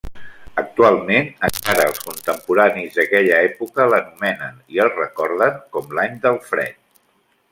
Actualment encara els contemporanis d'aquella època l'anomenen, i el recorden com, l'Any del Fred.